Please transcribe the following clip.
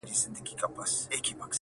یو له بله یې کړل بيل نیژدې کورونه.!